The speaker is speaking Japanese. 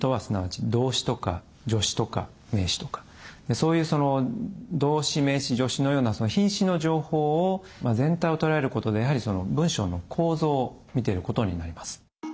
そういう動詞名詞助詞のような品詞の情報を全体を捉えることでやはり文章の構造を見てることになります。